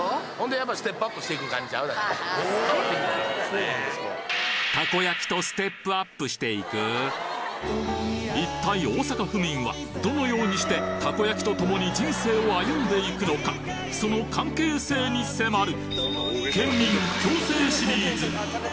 そんな一体大阪府民はどのようにしてたこ焼きと共に人生を歩んでいくのかその関係性に迫る